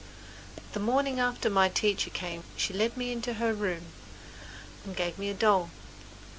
The morning after my teacher came she led me into her room and gave me a doll.